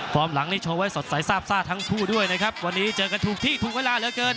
หลังนี้โชว์ไว้สดใสซาบซ่าทั้งคู่ด้วยนะครับวันนี้เจอกันถูกที่ถูกเวลาเหลือเกิน